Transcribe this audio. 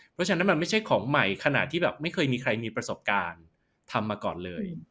เพราะฉะนั้นมันไม่ใช่ของใหม่ขนาดที่แบบไม่เคยมีใครมีประสบการณ์ทำมาก่อนเลย